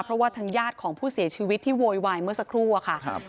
เพราะว่าทางญาติของผู้เสียชีวิตที่โวยวายเมื่อสักครู่อะค่ะ